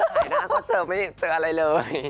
ถ่ายหน้าก็เจออะไรเลย